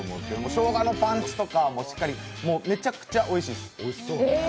しょうがのパンチとかもしっかり、めちゃくちゃおいしいてす。